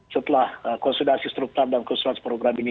setelah konsultasi struktur dan konsultasi program ini